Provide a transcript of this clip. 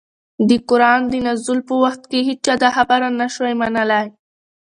د قرآن د نزول په وخت كي هيچا دا خبره نه شوى منلى